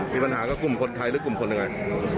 มีปัญหากับกลุ่มคนไทยหรือกลุ่มคนยังไง